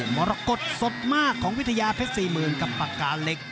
มรกฏสดมากของวิทยาเพชร๔๐๐๐กับปากกาเล็ก